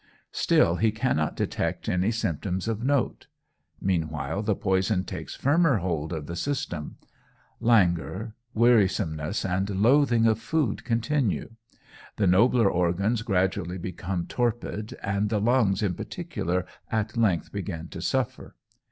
Still he cannot detect any symptoms of note. Meanwhile the poison takes firmer hold of the system; languor, wearisomeness, and loathing of food continue; the nobler organs gradually become torpid, and the lungs in particular at length begin to suffer.